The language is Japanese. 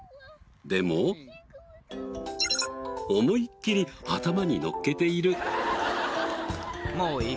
でも思いっきり頭にのっけている。